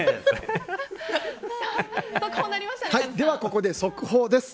ここで速報です。